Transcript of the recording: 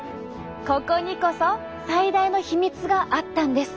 ここにこそ最大の秘密があったんです！